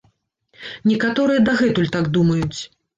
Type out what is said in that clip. Некаторыя дагэтуль так думаюць.